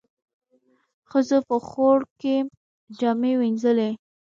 ښځو په خوړ کې جامې وينځلې.